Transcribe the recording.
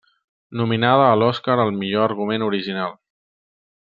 Nominada a l'Oscar al millor argument original.